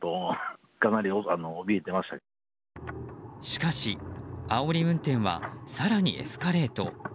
しかし、あおり運転は更にエスカレート。